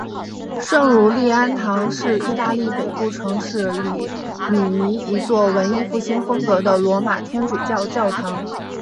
圣儒利安堂是意大利北部城市里米尼一座文艺复兴风格的罗马天主教教堂。